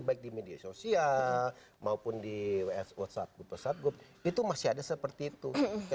baik di media sosial maupun di whatsapp itu masih ada seperti itu